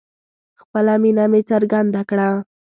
خپله مینه مې څرګنده کړه